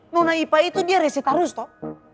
nona ipa itu dia resi terus toh